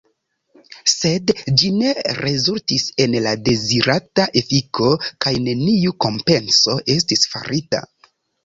Sed ĝi ne rezultis en la dezirata efiko kaj neniu kompenso estis farita.